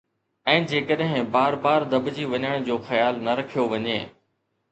۽ جيڪڏهن بار بار دٻجي وڃڻ جو خيال نه رکيو وڃي